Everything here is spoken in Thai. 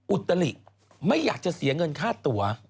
อุตลิไม่อยากจะเสียเงินค่าตัว